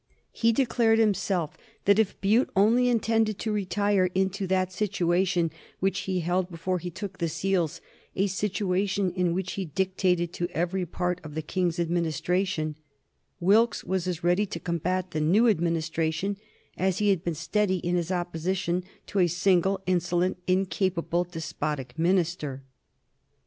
He declared himself that if Bute only intended to retire into that situation which he held before he took the seals, a situation in which he dictated to every part of the King's administration, Wilkes was as ready to combat the new Administration as he had been steady in his opposition to a single, insolent, incapable, despotic minister.